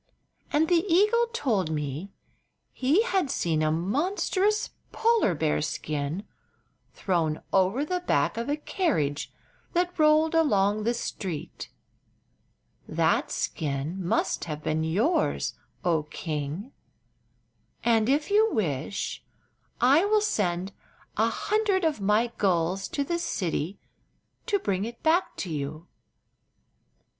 And the eagle told me he had seen a monstrous polar bear skin thrown over the back of a carriage that rolled along the street. That skin must have been yours, oh king, and if you wish I will sent an hundred of my gulls to the city to bring it back to you."